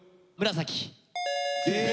紫。